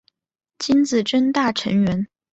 金子真大成员。